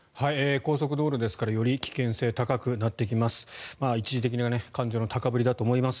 高速道路ですからより危険性が高くなってきます。